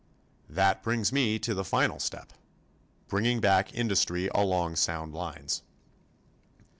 That brings me to the final step bringing back industry along sound lines.